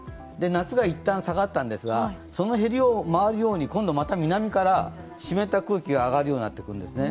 夏がいったん下がったんですがそのへりを回るように今度はまた南から湿った空気が上がるようになってくるんですね。